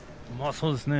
そうですね。